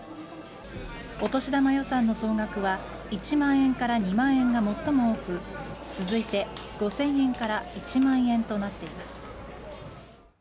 お年玉予算の総額は１万円から２万円が最も多く続いて５０００円から１万円となっています。